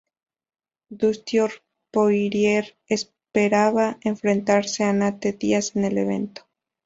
Dustin Poirier esperaba enfrentarse a Nate Diaz en el evento.